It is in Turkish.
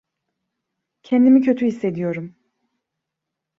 Kendimi kötü hissediyorum.